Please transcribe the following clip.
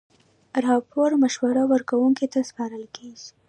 راپور مشوره ورکوونکي ته سپارل کیږي.